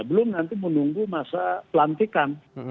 belum nanti menunggu masa pelantikan